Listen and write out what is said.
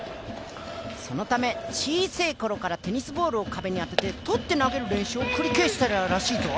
そのため、ちいせぇころからテニスボールを壁に当てて取って投げる練習をくりけぇしたらしいぞ。